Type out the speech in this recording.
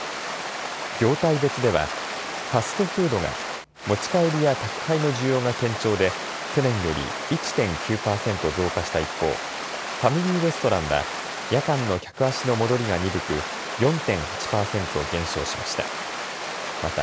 業態別ではファストフードが持ち帰りや宅配の需要が堅調で去年より１．９％増加した一方、ファミリーレストランは夜間の客足の戻りが鈍く４．８％減少しました。